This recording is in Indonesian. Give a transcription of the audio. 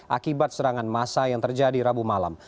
akibat serangan masa yang terjadi rabu malam